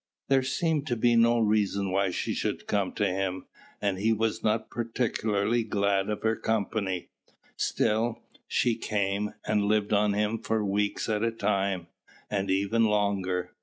There seemed to be no reason why she should come to him, and he was not particularly glad of her company; still, she came, and lived on him for weeks at a time, and even longer.